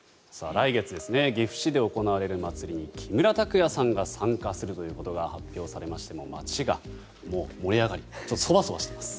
来月ですね岐阜市で行われるまつりに木村拓哉さんが参加するということが発表されまして街が燃え上がりそわそわしています。